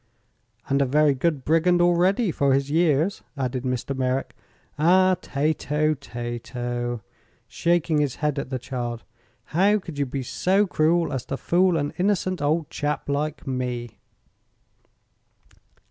"And a very good brigand, already, for his years," added Mr. Merrick. "Ah, Tato, Tato," shaking his head at the child, "how could you be so cruel as to fool an innocent old chap like me?"